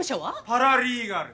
パラリーガル。